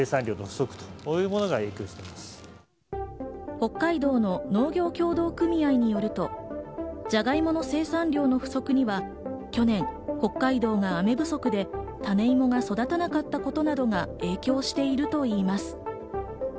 北海道の農業協同組合によると、ジャガイモの生産量の不足には去年、北海道が雨不足で種芋が育たなかったことなどが影響しているといいます。